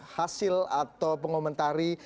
hasil atau pengomentari